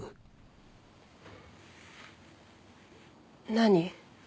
何？